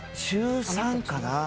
中３かな？